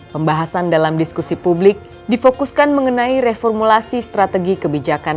pembahasan dalam diskusi publik difokuskan mengenai reformulasi strategi kebijakan